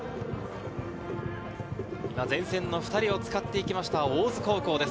前線の２人を使っていきました、大津高校です。